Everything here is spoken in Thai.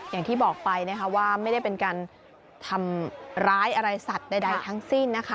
อย่างที่บอกไปนะคะว่าไม่ได้เป็นการทำร้ายอะไรสัตว์ใดทั้งสิ้นนะคะ